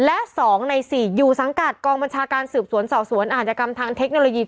และ๒ใน๔อยู่สังกัดกองบัญชาการสืบสวนสอบสวนอาจกรรมทางเทคโนโลยี